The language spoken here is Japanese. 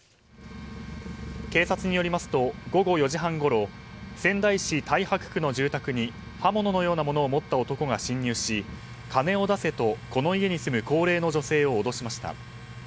警察によりますと午後４時半ごろ仙台市太白区の住宅に刃物のようなものを持った男が侵入し金を出せと、この家に住む高齢の女性を脅しました。